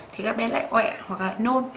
thì các bé lại quẹ hoặc là nôn